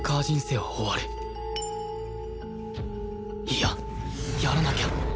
いややらなきゃ。